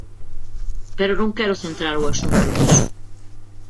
Pero non quero centrar o asunto niso.